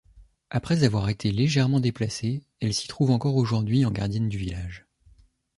Après avoir été légèrement déplacée, elle s'y trouve encore aujourd'hui en gardienne du village.